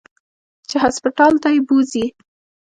چې هسپتال ته يې بوځي.